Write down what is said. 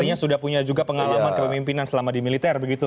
artinya sudah punya juga pengalaman kepemimpinan selama di militer begitu